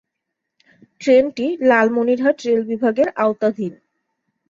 ট্রেনটি লালমনিরহাট রেল বিভাগের আওতাধীন।